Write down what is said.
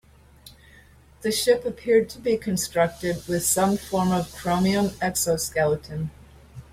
The ship appeared to be constructed with some form of chromium exoskeleton.